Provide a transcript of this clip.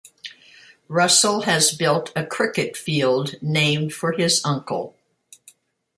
Russell has built a cricket field named for his uncle.